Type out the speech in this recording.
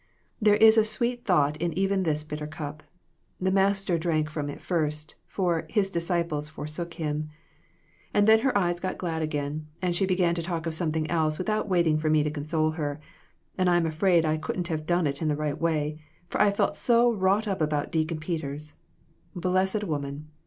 There is a sweet thought in even this bitter cup. The Master drank from it first, for "his disciples forsook him".' And then her eyes got glad again, and she began talking of something else without waiting for me to console her, and I'm afraid I couldn't have done it in the right way, for I felt so wrought up at Deacon Peters. Blessed woman